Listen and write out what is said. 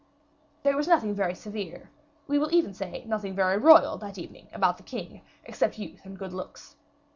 There was nothing very severe, we will even say, nothing very royal that evening about the king, except youth and good looks.